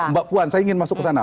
mbak puan saya ingin masuk ke sana